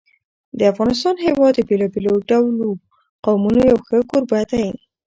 د افغانستان هېواد د بېلابېلو ډولو قومونو یو ښه کوربه دی.